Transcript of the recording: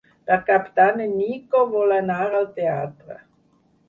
Per Cap d'Any en Nico vol anar al teatre.